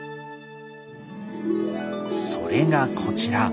それがこちら。